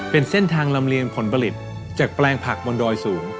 เป็นเส้นทางลำเลียงผลผลิตจากแปลงผักบนดอยสูง